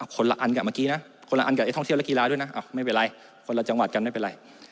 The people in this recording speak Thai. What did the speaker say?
คนละอันกับเมื่อกี้นะคนละอันกับท่องเที่ยวและกีฬาด้วยนะไม่เป็นไรคนละจังหวัดกันไม่เป็นไร